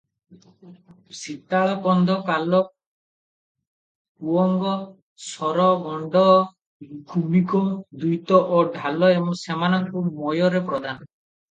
ସିତାଳ, କନ୍ଦ, କାଲ, କୁଅଙ୍ଗ, ଶର, ଗଣ୍ଡ, ଗୁମିକ, ଦ୍ୱିତ ଓ ଢ଼ାଲ ସେମାନଙ୍କୁ ମୟରେ ପ୍ରଧାନ ।